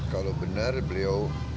kalau benar beliau